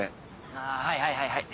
あはいはいはいはい。